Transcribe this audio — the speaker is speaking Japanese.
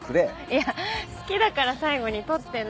いや好きだから最後に取ってるの。